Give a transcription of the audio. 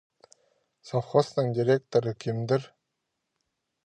Совхозтың директоры кемдір?